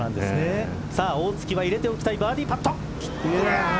さあ大槻は入れておきたいバーディーパット。